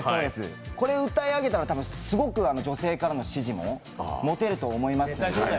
これを歌い上げたらすごく女性からの支持も、モテると思います。